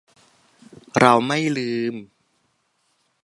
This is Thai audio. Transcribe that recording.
เราไม่ลืม